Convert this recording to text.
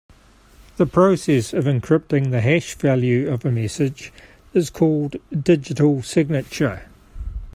The process of encrypting the hash value of a message is called digital signature.